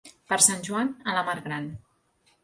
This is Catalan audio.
Per Sant Joan, a la mar gran.